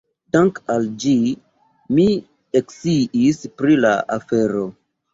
Dank' al ĝi mi eksciis pri la afero.